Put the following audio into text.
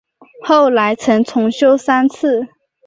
后来曾重修三次。